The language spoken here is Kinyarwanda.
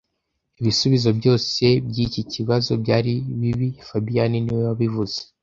Ibisubizo byose byiki kibazo byari bibi fabien niwe wabivuze